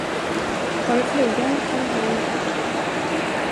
Har jag flugan eller har jag inte?